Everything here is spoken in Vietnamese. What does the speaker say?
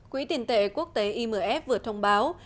quỹ tiền tệ quốc tế imf vừa thông báo